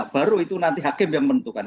baru itu nanti hakim yang menentukan